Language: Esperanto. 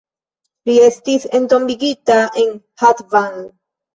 Li estis entombigita en Hatvan.